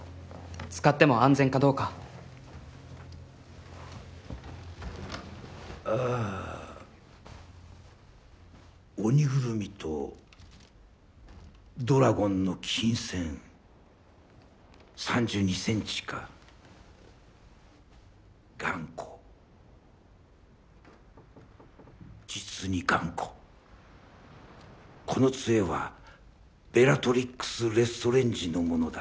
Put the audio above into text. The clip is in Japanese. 使っても安全かどうかああ鬼グルミとドラゴンの琴線３２センチか頑固実に頑固この杖はベラトリックス・レストレンジのものだ